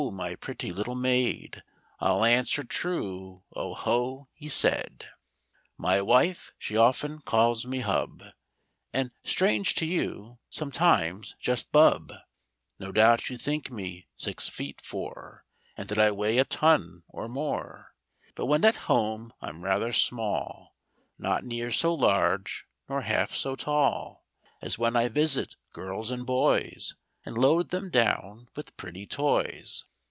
my pretty little maid. I'll answer true, 0 ho !" he said. Copyrighted, 1897. Y wife, she often calls me hub, ^ And, strange to you, sometimes just bub, No doubt you think me six feet, four, And that I weigh a ton or more, But when at home I'm rather small, Not near so large nor half so tall As when I visit girls and boys And load them down with pretty toys."